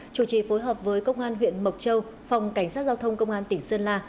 chủ trì phối hợp với công an huyện mộc châu phòng cảnh sát giao thông công an tỉnh sơn la